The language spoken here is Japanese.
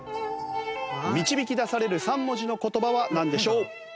導き出される３文字の言葉はなんでしょう？